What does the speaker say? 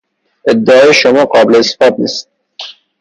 ادعای شما قابل اثبات نیست.